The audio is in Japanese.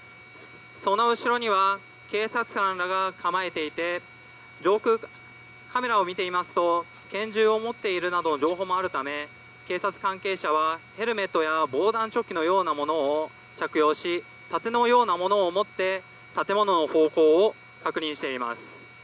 その後ろには警察官らが構えていてカメラを見ていますと拳銃を持っているなどの情報もあるため警察関係者はヘルメットや防弾チョッキなどを着用し、盾のようなものを持って建物の方向を確認しています。